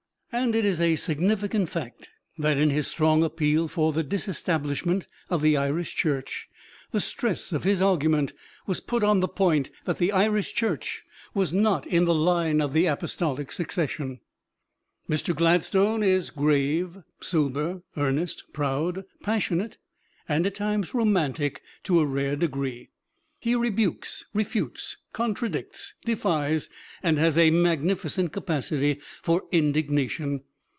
And it is a significant fact that in his strong appeal for the disestablishment of the Irish Church, the stress of his argument was put on the point that the Irish Church was not in the line of the apostolic succession. Mr. Gladstone is grave, sober, earnest, proud, passionate, and at times romantic to a rare degree. He rebukes, refutes, contradicts, defies, and has a magnificent capacity for indignation.